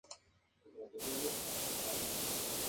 Aún no ha conseguido ninguna victoria como profesional